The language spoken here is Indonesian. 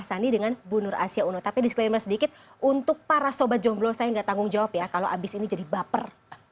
sandi dengan bu nur asia uno tapi disclaimer sedikit untuk para sobat jomblo saya enggak tanggung jawab ya kalau habis ini jadi baper